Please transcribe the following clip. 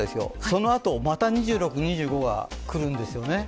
そのあとまた２６、２５が来るんですね。